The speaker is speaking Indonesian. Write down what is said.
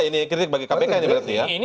ini kritik bagi kpk ini berarti ya